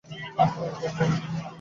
আর করবো না।